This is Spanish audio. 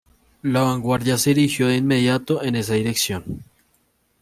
La vanguardia se dirigió de inmediato en esa dirección.